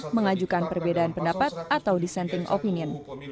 mengajukan perbedaan pendapat atau dissenting opinion